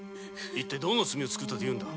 一体どんな罪を作ったというのだ？